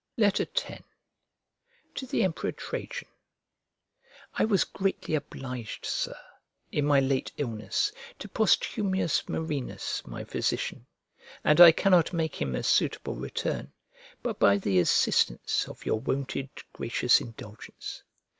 X To THE EMPEROR TRAJAN I WAS greatly obliged, Sir, in my late illness, to Posthumius Marinus, my physician; and I cannot make him a suitable return, but by the assistance of your wonted gracious indulgence.